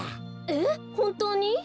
えっほんとうに？